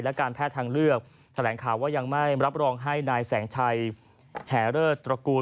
และการแพทย์ทางเลือกแถลงข่าวว่ายังไม่รับรองให้นายแสงชัยแห่เลิศตระกูล